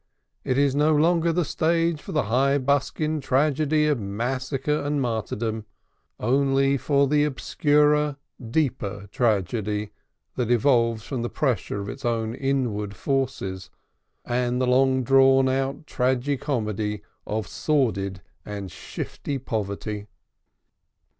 It is no longer the stage for the high buskined tragedy of massacre and martyrdom; only for the obscurer, deeper tragedy that evolves from the pressure of its own inward forces, and the long drawn out tragi comedy of sordid and shifty poverty.